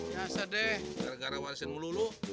biasa deh gara gara warisin melulu